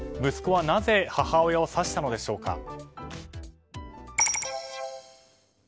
息子は、なぜ母親を刺したのでしょうか。